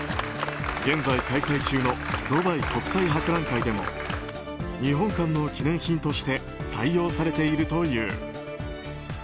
現在開催中のドバイ国際博覧会でも日本館の記念品として採用されているという。